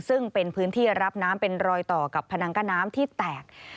ซึ่งเป็นพื้นที่รับน้ำเป็นรอยต่อกับพนังกั้นน้ำที่แตก